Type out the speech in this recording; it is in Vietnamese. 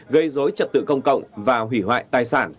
gây dối trật tự công cộng và hủy hoại tài sản